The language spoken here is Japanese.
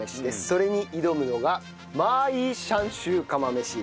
それに挑むのがマーイーシャンシュー釜飯。